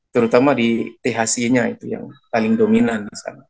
terutama di thc nya itu yang paling dominan